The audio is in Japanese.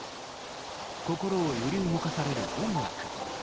心を揺り動かされる音楽。